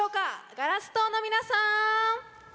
ガラス棟の皆さん！